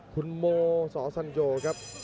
คุณโมสอสัญโยครับ